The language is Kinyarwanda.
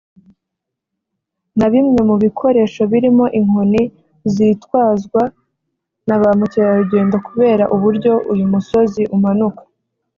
na bimwe mu bikoresho birimo inkoni zitwazwa na ba mukerarugendo kubera uburyo uyu musozi umanuka